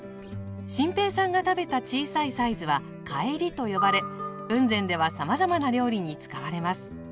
心平さんが食べた小さいサイズは「かえり」と呼ばれ雲仙ではさまざまな料理に使われます。